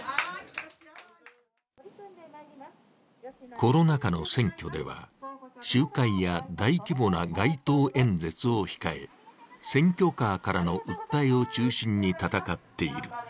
コロナ禍の選挙では集会や大規模な街頭演説を控え、選挙カーからの訴えを中心に戦っている。